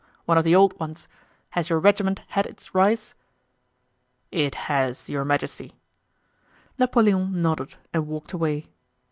One of the old ones! Has your regiment had its rice?" "It has, Your Majesty." Napoleon nodded and walked away.